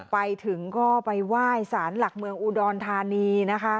ไปถึงก็ไปไหว้ศาลหลักเมืองอูดรธานี